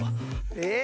えっ？